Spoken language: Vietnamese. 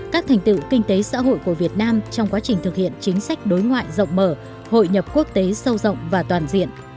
các thành tựu kinh tế xã hội của việt nam trong quá trình thực hiện chính sách đối ngoại rộng mở hội nhập quốc tế sâu rộng và toàn diện